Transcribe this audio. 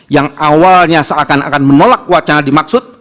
yang awalnya seakan akan menolak wacana dimaksud